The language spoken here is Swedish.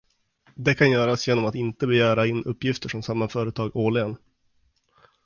Det kan göras genom att inte begära in uppgifter från samma företag årligen.